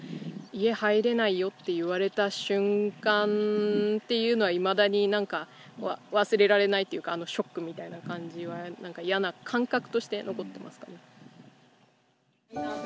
家入れないよって言われた瞬間っていうのはいまだになんか忘れられないっていうかショックみたいな感じはなんか嫌な感覚として残ってますかね。